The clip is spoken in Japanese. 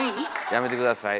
やめて下さい。